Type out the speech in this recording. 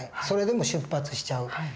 それでも出発しちゃう。